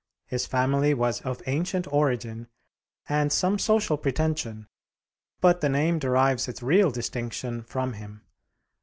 His family was of ancient origin and some social pretension, but the name derives its real distinction from him.